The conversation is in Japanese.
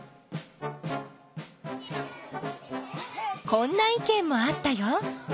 こんないけんもあったよ。